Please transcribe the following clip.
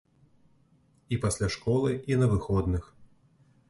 І пасля школы, і на выходных.